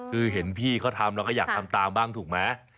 คือเห็นพี่เขาทำแล้วก็อยากทำตามบ้างถูกไหม